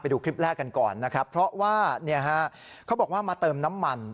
ดูคลิปแรกกันก่อนนะครับเพราะว่าเขาบอกว่ามาเติมน้ำมัน